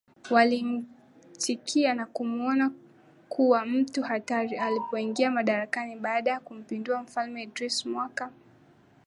walimchikia na kumuona kuwa mtu hatari Alipoingia madarakani baada ya kumpindua Mfalme Idriss mwaka